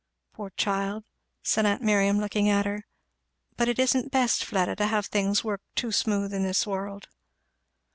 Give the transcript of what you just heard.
"Poor child!" said aunt Miriam looking at her. "But it isn't best, Fleda, to have things work too smooth in this world."